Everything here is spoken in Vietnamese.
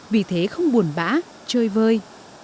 vì thế không buồn bã chơi vơi